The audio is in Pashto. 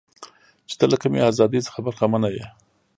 چې ته له کمې ازادۍ څخه برخمنه یې.